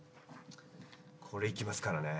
これいきますからね。